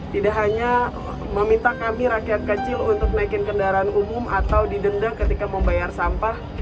tidak hanya meminta kami rakyat kecil untuk naikin kendaraan umum atau didenda ketika membayar sampah